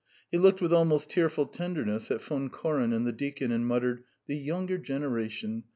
He looked with almost tearful tenderness at Von Koren and the deacon, and muttered: "The younger generation.